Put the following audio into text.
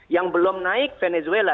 yang belum naik venezuela